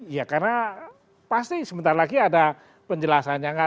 ya karena pasti sebentar lagi ada penjelasannya